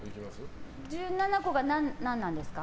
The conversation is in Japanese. １７個が何なんですか？